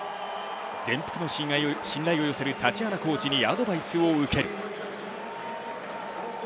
全幅の信頼を寄せるタチアナコーチにアドバイスを受ける。